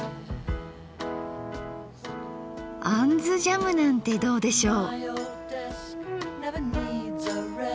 杏ジャムなんてどうでしょう。